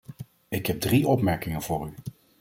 Ik heb drie opmerkingen voor u.